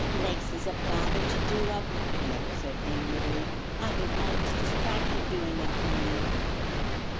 'Lace is a bother to do up,' Mabel said amiably. 'I've been almost distracted doing up mine.'